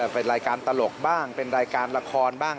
เป็นรายการตลกบ้างเป็นรายการละครบ้าง